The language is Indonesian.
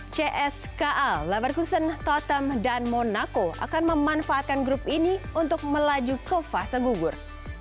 cska leverkuson tottenham dan monaco akan memanfaatkan grup ini untuk melaju ke fase gugur